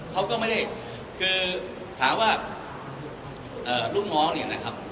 เขาก็ไม่ได้คือถามว่าลูกน้องเนี่ยนะครับ